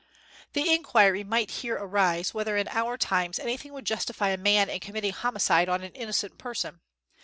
] The inquiry might here arise, whether in our times anything would justify a man in committing a homicide on an innocent person.